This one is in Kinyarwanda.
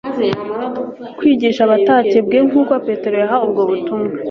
kwigisha abatakebwe, nk'uko petero yahawe ubwo butumwa